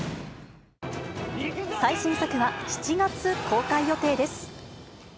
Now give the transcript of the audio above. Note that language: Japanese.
最新作は７月公開予定です。